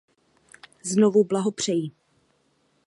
Znovu blahopřeji.